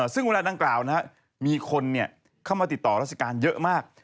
ซึ่งเว้นแหละนางกล่าวนะครับมีคนเข้ามาติดต่อรัฐการณ์เยอะมาก